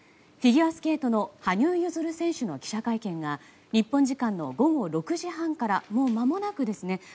フィギュアスケートの羽生結弦選手の記者会見が日本時間の午後６時半からもうまもなくですね。